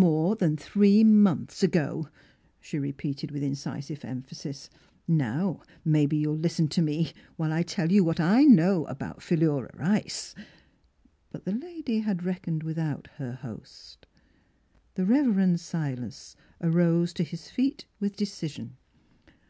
"More than three months ago!" she repeated witii in cisive emphasis. Now maybe you'll listen to me while I tell you what I know about Philura Rice!'' But the lady had reckoned without her host. The Rev. Silas arose to his feet with de cision.